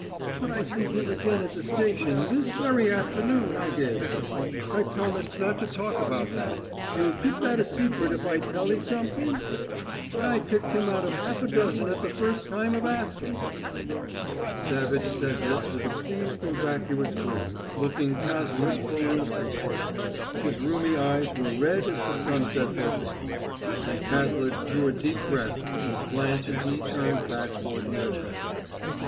"But I see him again at the station this very afternoon, I did! I promised not to talk about that you'll keep that a secret if I tell 'e somethin'? but I picked him out of half a dozen at the first time of askin'!" Savage said this with a pleased and vacuous grin, looking Cazalet full in the face; his rheumy eyes were red as the sunset they faced; and Cazalet drew a deep breath as Blanche and he turned back toward the river.